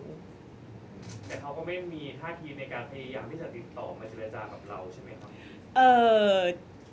แต่เขาก็ไม่มีท่าทีในการพยายามที่จะติดต่อมาเจรจากับเราใช่ไหมครับ